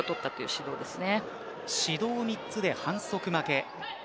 指導３つで反則負けです。